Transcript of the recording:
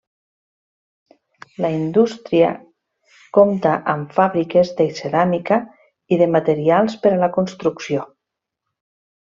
La indústria compta amb fàbriques de ceràmica i de materials per a la construcció.